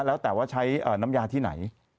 แล้วแต่ว่าใช้น้ำยาที่ไหน